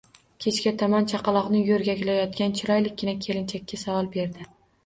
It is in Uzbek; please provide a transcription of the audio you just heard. Kechga tomon chaqaloqni yo`rgaklayotgan chiroylikkina kelinchakka savol berdi